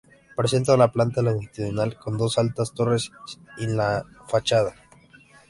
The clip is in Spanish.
Presenta una planta longitudinal, con dos altas torres in la fachada.